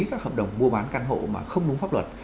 các hợp đồng mua bán căn hộ mà không đúng pháp luật